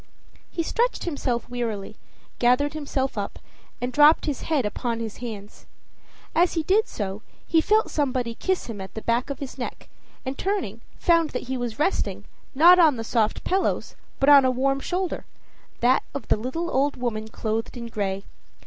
He stretched himself wearily, gathered himself up, and dropped his head upon his hands; as he did so, he felt somebody kiss him at the back of his neck, and, turning, found that he was resting, not on the sofa pillows, but on a warm shoulder that of the little old woman clothed in gray.